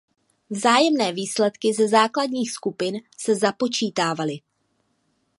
Vzájemné výsledky ze základních skupin se započítávaly.